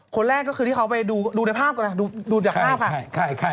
คนแรกก็คือที่เขาไปดูในภาพก่อนดูจากภาพค่ะ